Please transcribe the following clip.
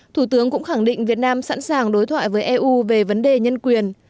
thủ tướng cũng khẳng định việt nam sẵn sàng đối thoại với eu về vấn đề nhân quyền